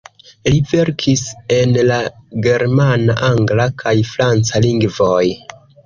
Li verkis en la germana, angla kaj franca lingvoj.